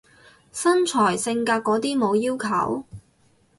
身材性格嗰啲冇要求？